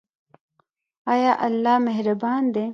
ایا الله مهربان دی؟